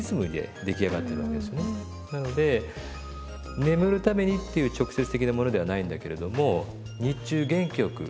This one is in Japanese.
なので眠るためにっていう直接的なものではないんだけれども日中元気よく。